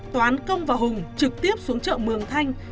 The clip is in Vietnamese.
toán công và hùng trực tiếp xuống chợ mường thanh